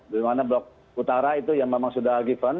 dimana blok utara itu yang memang sudah given